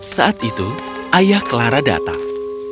saat itu ayah clara datang